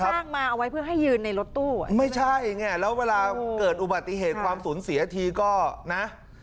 ข้างมาเอาไว้เพื่อให้ยืนในรถตู้อ่ะไม่ใช่ไงแล้วเวลาเกิดอุบัติเหตุความสูญเสียทีก็นะ